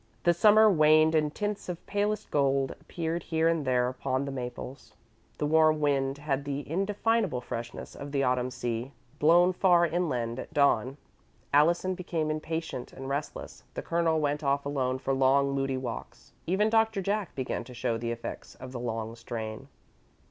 The Summer waned and tints of palest gold appeared here and there upon the maples. The warm wind had the indefinable freshness of the Autumn sea, blown far inland at dawn. Allison became impatient and restless, the Colonel went off alone for long, moody walks; even Doctor Jack began to show the effects of the long strain.